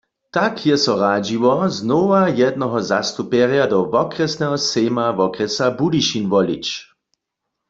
Tak je so radźiło, znowa jednoho zastupjerja do wokrjesneho sejma wokrjesa Budyšin wolić.